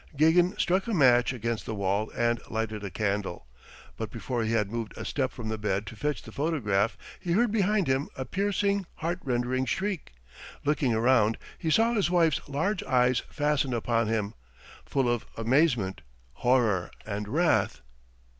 Gagin struck a match against the wall and lighted a candle. But before he had moved a step from the bed to fetch the photographs he heard behind him a piercing, heartrending shriek. Looking round, he saw his wife's large eyes fastened upon him, full of amazement, horror, and wrath.